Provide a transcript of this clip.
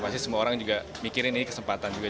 pasti semua orang juga mikirin ini kesempatan juga